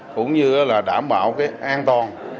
cũng như là đảm bảo an toàn